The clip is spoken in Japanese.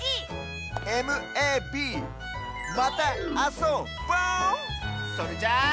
それじゃあ。